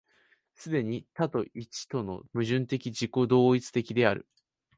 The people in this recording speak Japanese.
既に多と一との矛盾的自己同一的である。